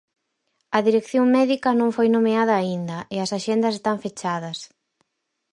A dirección médica non foi nomeada aínda, e as axendas están fechadas.